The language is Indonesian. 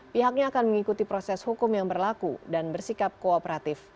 pihaknya akan mengikuti proses hukum yang berlaku dan bersikap kooperatif